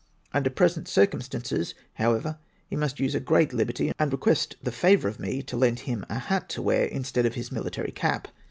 Under present cir cumstances ho>vever he must use a great liberty, and request tiie favour of me to lend bim a hat to wear instead of his mili tary esq).